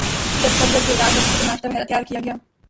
جب سب لوگ بیدار ہو چکے تو ناشتہ وغیرہ تیار کیا گیا